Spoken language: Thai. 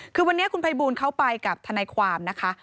คือวันนี้คุณภัยบูลเขาไปกับทนายความนะคะ